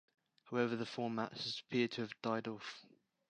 However, the format has appeared to have died off.